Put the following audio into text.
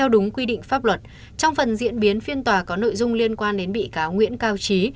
đúng quy định pháp luật trong phần diễn biến phiên tòa có nội dung liên quan đến bị cáo nguyễn cao trí